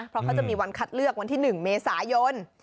เพราะเขาจะมีวันคัดเลือกวันที่๑เมษายน